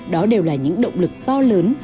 đó đều là những động lực to lớn